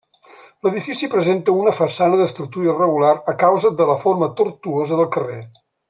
L'edifici presenta una façana d'estructura irregular a causa de la forma tortuosa del carrer.